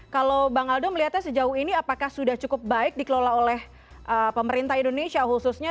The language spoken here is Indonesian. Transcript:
kalau bang aldo melihatnya sejauh ini apakah sudah cukup baik dikelola oleh pemerintah indonesia khususnya